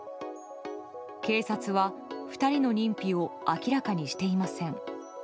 警察は２人の認否を明らかにしていません。